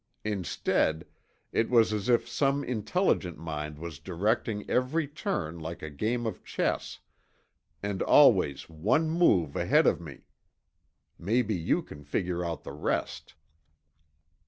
Instead, it was as if some intelligent mind was directing every turn like a game of chess, and always one move ahead of me. Maybe you can figure out the rest."